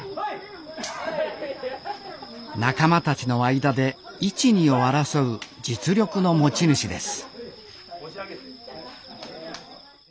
仲間たちの間で１・２を争う実力の持ち主です